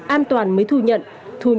an toàn mới thu nhận